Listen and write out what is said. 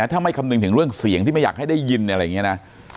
ถ้าไม่คำนึงถึงเรื่องเสียงที่ไม่อยากให้ได้ยินอะไรอย่างนี้นะ